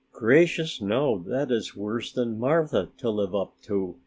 "Gracious no, that is worse than Martha to live up to!"